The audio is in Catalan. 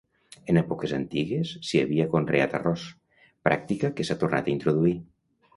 En èpoques antigues, s'hi havia conreat arròs, pràctica que s'ha tornat a introduir.